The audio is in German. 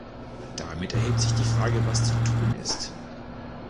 Damit erhebt sich die Frage, was zu tun ist.